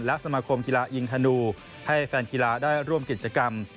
และสมาคมกีฬาอิงฮานูให้แฟนกีฬาได้ร่วมกิจกรรม